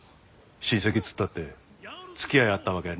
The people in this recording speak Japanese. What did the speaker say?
親戚っつったって付き合いあったわけやないしな。